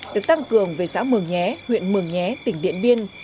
được tăng cường về xã mường nhé huyện mường nhé tỉnh điện biên